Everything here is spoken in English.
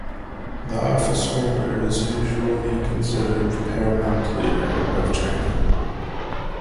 The officeholder is usually considered the paramount leader of China.